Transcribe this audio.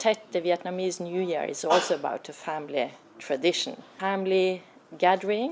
tôi biết năm mới của việt nam cũng là một thông thường gia đình